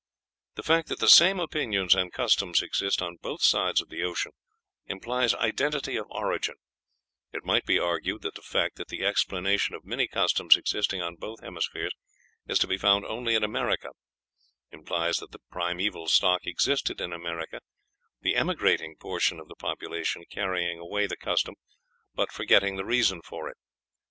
The fact that the same opinions and customs exist on both sides of the ocean implies identity of origin; it might be argued that the fact that the explanation of many customs existing on both hemispheres is to be found only in America, implies that the primeval stock existed in America, the emigrating portion of the population carrying away the custom, but forgetting the reason for it.